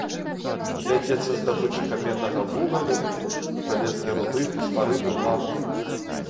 Вядзецца здабыча каменнага вугалю, жалезнай руды, фасфарытаў, нафты.